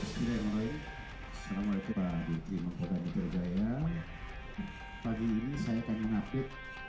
selama itu bagi memperbaiki jaya pagi ini saya akan mengupdate